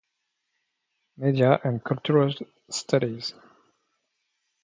Media and cultural studies.